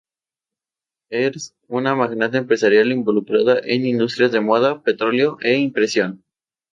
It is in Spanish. Es una magnate empresarial involucrada en industrias de moda, petróleo e impresión.